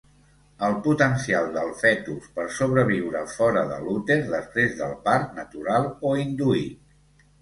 El potencial del fetus per sobreviure fora de l'úter després del part, natural o induït.